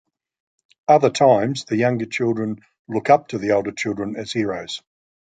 Other times the younger children look up to the older children as "heroes".